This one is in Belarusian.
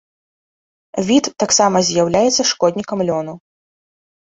Від таксама з'яўляецца шкоднікам лёну.